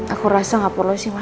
aku rasa nggak perlu sih mama